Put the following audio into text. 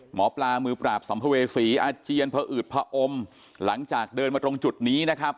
หมอปลามือปราบสัมภเวษีอาเจียนพออืดผอมหลังจากเดินมาตรงจุดนี้นะครับ